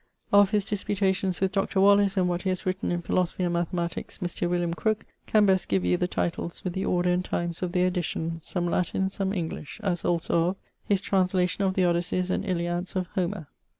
Of his disputations with Dr. Wallis and what he has written in philosophy and mathematicks Mr. Crook can best give you the titles with the order and times of their edition, some Latine, some English; as also of His translation of the Odysses and Iliads of Homer.